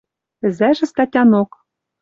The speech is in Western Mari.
Ӹзӓжӹ статянок